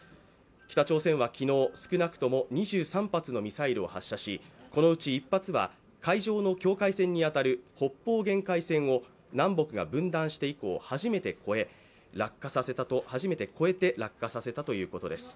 北朝鮮は昨日、少なくとも２３発のミサイルを発射しこのうち１発は海上の境界線に当たる北方限界線を南北が分断して以降初めて越えて落下させたということです。